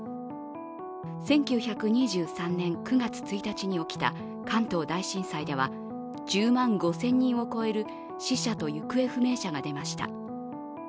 １９２３年９月１日に起きた関東大震災では１０万５０００人を超える死者と行方不明者が出ました。